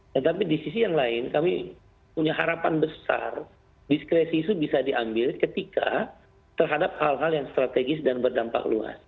tetapi di sisi yang lain kami punya harapan besar diskresi itu bisa diambil ketika terhadap hal hal yang strategis dan berdampak luas